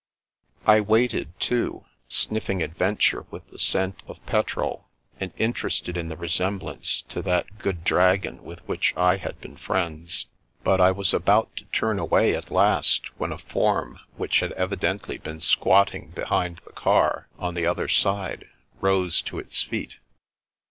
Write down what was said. I waited, too, sniffing adventure with the scent of petrol, and interested in the resemblance to that good Dragon with which I had been friends; but I was about to turn away at last when a form which had evidently been squatting behind the car on the other side, rose to its feet.